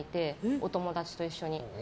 お友達と一緒に。